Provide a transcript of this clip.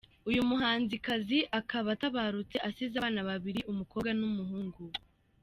Uyu muhanzikazi akaba atabarutse asize abana babiri umukobwa n’umuhungu.